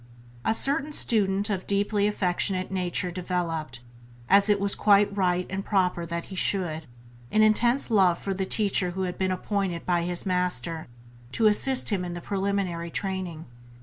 A certain student of deeply affectionate nature developed (as it was quite right and proper that he should) an intense love for the teacher who had been appointed by his Master to assist him in the preliminary training.